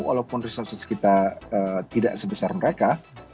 walaupun resources kita tidak sebesar mereka